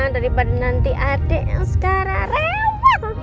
daripada nanti adik yang sekarang